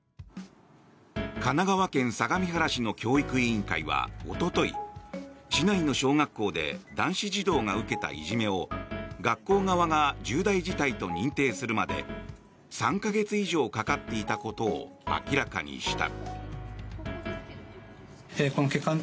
神奈川県相模原市の教育委員会はおととい市内の小学校で男子児童が受けたいじめを学校側が重大事態と認定するまで３か月以上かかっていたことを明らかにした。